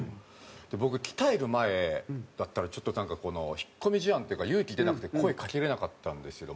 僕鍛える前だったらちょっとなんかこの引っ込み思案っていうか勇気出なくて声かけれなかったんですけども。